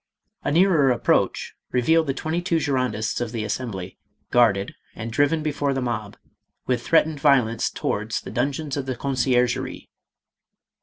A nearer approach revealed the twenty two Gir ondists of the Assembly guarded and driven before the mob with threatened violence towards the dun geons of the Conciergerie.